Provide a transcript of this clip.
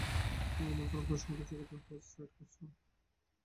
তুমি ইউনিফর্ম পরে সমুদ্র সৈকতে হর্স-রাইড করছ?